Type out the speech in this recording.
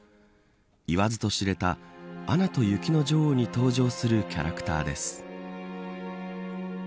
言わずと知れたアナと雪の女王に登場するキャラクターです。